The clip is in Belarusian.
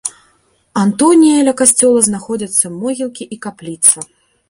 Антонія, ля касцёла знаходзяцца могілкі і капліца.